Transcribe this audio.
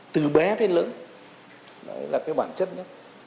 từ bé đến lớn đấy là cái bản chất nhất